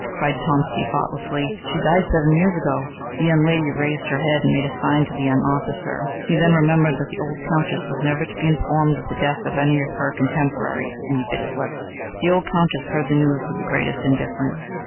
cried Tomsky thoughtlessly; "she died seven years ago." The young lady raised her head and made a sign to the young officer. He then remembered that the old Countess was never to be informed of the death of any of her contemporaries, and he bit his lips. But the old Countess heard the news with the greatest indifference.